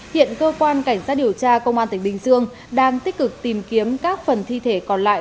hiện cơ quan cảnh sát điều tra công an tỉnh bình dương đang tích cực tìm kiếm các phần thi thể còn lại